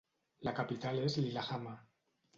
La capital és Lillehammer.